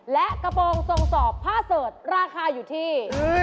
และกระโปรงทรงสอบผ้าเสิร์ชราคาอยู่ที่